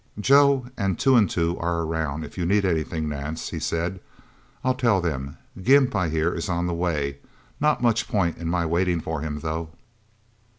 "Joe and Two and Two are around if you need anything, Nance," he said. "I'll tell them. Gimp, I hear, is on the way. Not much point in my waiting for him, though..."